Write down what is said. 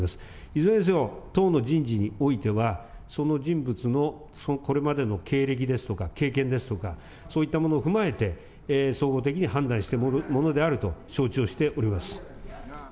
いずれにせよ、党の人事においては、その人物のこれまでの経歴ですとか、経験ですとか、そういったものを踏まえて、総合的に判断しているものであると承知をしております。